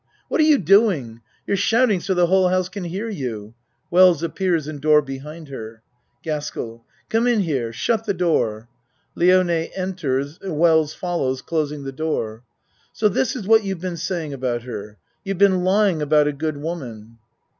What are you doing? You're shout ing so the whole house can hear you. (Wells ap pears in door behind her.) GASKELL Come in here. Shut the door. (Lione enters, Wells follows, closing the door.) So this is what you've been saying about her? You've been lying about a good woman.